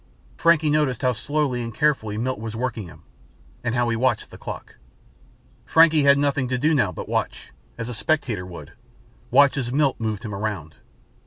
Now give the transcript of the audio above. Frankie noticed how slowly and carefully Milt was working him, and how he watched the clock. Frankie had nothing to do now but watch, as a spectator would; watch as Milt moved him around.